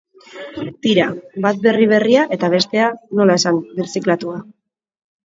Tira, bat berri berria eta bestea, nola esan, birziklatua.